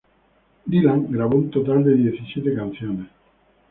Dylan grabó un total de diecisiete canciones.